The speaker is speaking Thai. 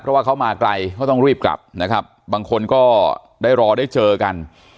เพราะว่าเขามาไกลเขาต้องรีบกลับนะครับบางคนก็ได้รอได้เจอกัน